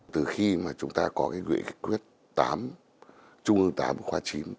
từ khi mà chúng ta có cái quyết tám trung ương tám và khoa chín